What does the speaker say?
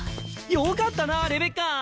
よかったなぁレベッカ。